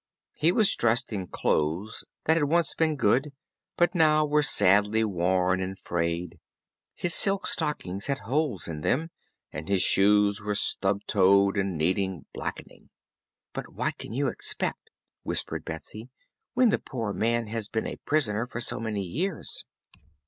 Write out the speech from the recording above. He was dressed in clothes that had once been good, but now were sadly worn and frayed. His silk stockings had holes in them, and his shoes were stub toed and needed blackening. "But what can you expect," whispered Betsy, "when the poor man has been a prisoner for so many years?"